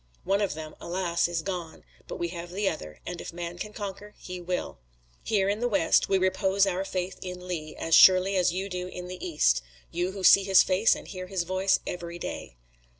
One of them, alas! is gone, but we have the other, and if man can conquer he will. Here in the West we repose our faith in Lee, as surely as do you in the East, you who see his face and hear his voice every day.